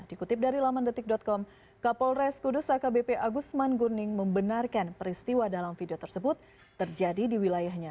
dikutip dari lamandetik com kapolres kudus akbp agusman gurning membenarkan peristiwa dalam video tersebut terjadi di wilayahnya